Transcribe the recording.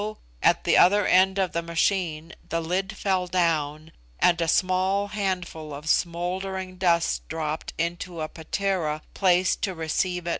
at the other end of the machine the lid fell down, and a small handful of smouldering dust dropped into a 'patera' placed to receive it.